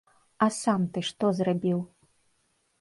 А сам ты што зрабіў?